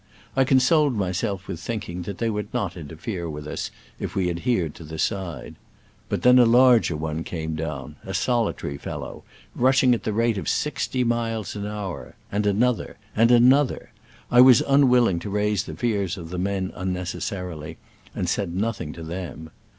I consoled myself with thinking that they would not interfere with us if we adhered to the side. But then a larger one came down, a solitary fellow, rush ing at the rate of sixty miles an hour— and anothf — and another. I was un willing to ri'.se the fears of the men un necessarily, and said nothing to them.